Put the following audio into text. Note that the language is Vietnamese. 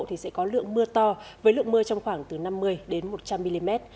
thì sẽ có lượng mưa to với lượng mưa trong khoảng từ năm mươi đến một trăm linh mm